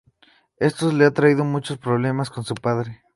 Esto le ha traído muchos problemas con su padre.